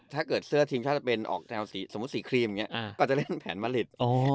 ถ้าเกิดเสื้อทีมชาติจะเป็นออกแนวสีสมมุติสีครีมอย่างนี้ก็จะเล่นแผนมะลิด